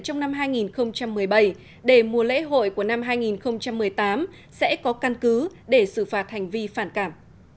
trong năm hai nghìn một mươi bảy để mùa lễ hội của năm hai nghìn một mươi tám sẽ có căn cứ để xử phạt hành vi phản cảm